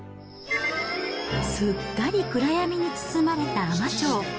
すっかり暗闇に包まれた海士町。